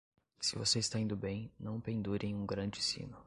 Se você está indo bem, não o pendure em um grande sino.